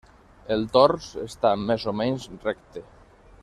El tors està més o menys recte.